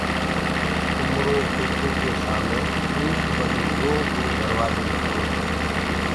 اُمرو ڪوٽو سآمي ايڪ ٻڏو لوه ڪو دروآجو لگروئي